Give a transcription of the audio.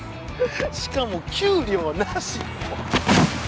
しかも給料なし！